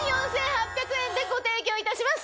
でご提供いたします。